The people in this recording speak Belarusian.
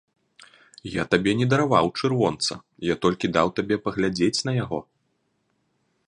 Я табе не дараваў чырвонца, я толькі даў табе паглядзець на яго.